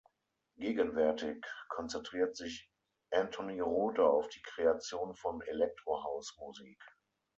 Gegenwärtig konzentriert sich Anthony Rother auf die Kreation von Elektro-House-Musik.